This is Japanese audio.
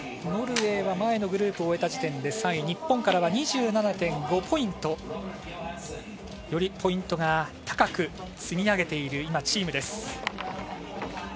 ノルウェーは前のグループが終えた時点で３位日本からは２７．５ポイント、よりポイントを高く積み上げているチームです。